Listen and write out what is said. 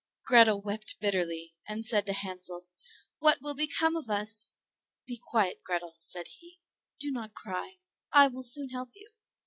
Grethel wept bitterly, and said to Hansel, "What will become of us?" "Be quiet, Grethel," said he; "do not cry, I will soon help you."